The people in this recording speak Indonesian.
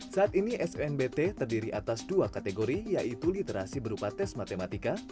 saat ini snbt terdiri atas dua kategori yaitu literasi berupa tes matematika